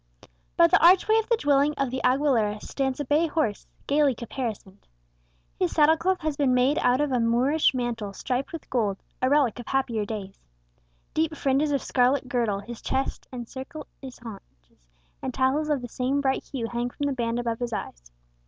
By the archway of the dwelling of the Aguileras stands a bay horse, gaily caparisoned. His saddlecloth has been made out of a Moorish mantle striped with gold, a relic of happier days. Deep fringes of scarlet girdle his chest and encircle his haunches, and tassels of the same bright hue hang from the band above his eyes.